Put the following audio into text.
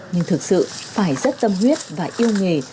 nhưng thực sự phải rất tâm huyết và yêu nghề